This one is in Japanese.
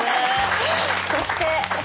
そして。